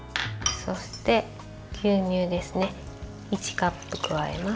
そして、牛乳です。